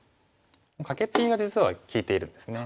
カケツギが実は利いているんですね。